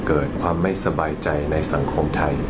เกิดความไม่สบายใจในสังคมไทย